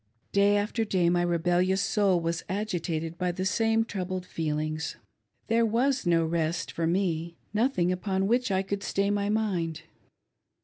Day after day my rebellious soul was agitated by the same troubled feelings. There was no rest for me — nothing upon which I could stay my mind.